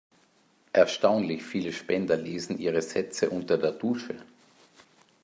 Erstaunlich viele Spender lesen ihre Sätze unter der Dusche.